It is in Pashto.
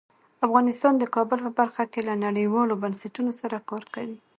افغانستان د کابل په برخه کې له نړیوالو بنسټونو سره کار کوي.